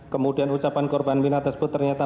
kemudian ucapan korban mirna tersebut ternyata